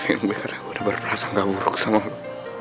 maveng gue karena gue udah berperasaan gak buruk sama lo